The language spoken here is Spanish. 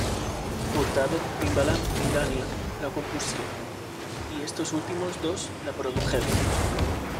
Furtado, Timbaland y Danja la compusieron, y estos últimos dos la produjeron.